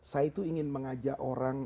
saya itu ingin mengajak orang